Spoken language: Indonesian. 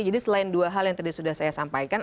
jadi selain dua hal yang tadi sudah saya sampaikan